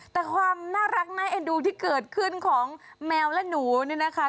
แต่ความน่ารักน่าเอ็นดูที่เกิดขึ้นของแมวและหนูเนี่ยนะคะ